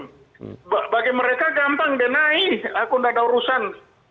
bukan bagi mereka gampang denai aku nggak ada urusan